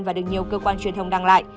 và được nhiều cơ quan truyền thông đăng lại